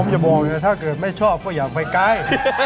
ผมจะบอกเลยว่าถ้าเกิดไม่ชอบก็อย่าไปใกล้